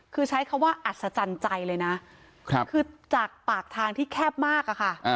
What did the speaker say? คือใช้คำว่าอัศจรรย์ใจเลยนะคือจากปากทางที่แคบมากอะค่ะ